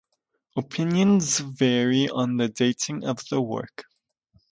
Opinions vary on the dating of the work.